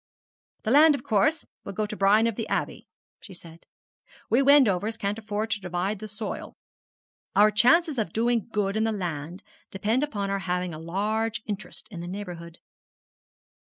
'The land, of course, will go to Brian of the Abbey,' she said. 'We Wendovers can't afford to divide the soil. Our chances of doing good in the land depend upon our having a large interest in the neighbourhood.'